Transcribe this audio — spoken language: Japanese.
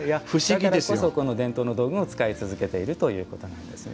だからこそこの伝統の道具を使い続けているということなんですね。